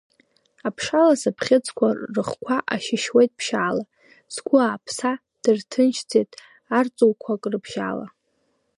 Аԥшалас абӷьыцқәа рыхқәа ашьышьуеит ԥшьаала, сгәы ааԥса дырҭынчӡеит арҵуқәак рыбжьала.